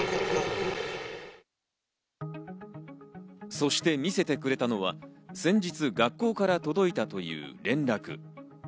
そして、見せてくれたのは先日学校から届いたという連絡。